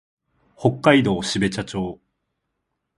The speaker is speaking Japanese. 北海道標茶町